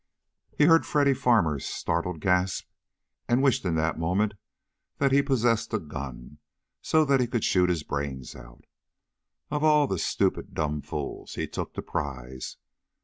He heard Freddy Farmer's startled gasp, and wished in that moment that he possessed a gun so that he could shoot his brains out. Of all the stupid, dumb fools, he took the prize.